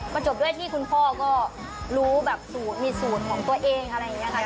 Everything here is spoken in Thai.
มันจบด้วยที่คุณพ่อก็รู้แบบสูตรมีสูตรของตัวเองอะไรอย่างนี้ค่ะ